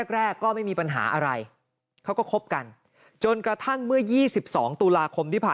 แรกก็ไม่มีปัญหาอะไรเขาก็คบกันจนกระทั่งเมื่อ๒๒ตุลาคมที่ผ่าน